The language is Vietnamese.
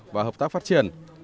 và hợp tác phát triển